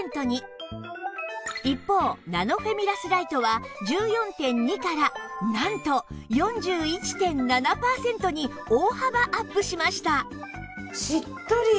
一方ナノフェミラスライトは １４．２ からなんと ４１．７ パーセントに大幅アップしました